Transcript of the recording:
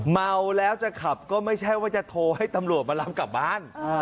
เมาแล้วจะขับก็ไม่ใช่ว่าจะโทรให้ตำรวจมารับกลับบ้าน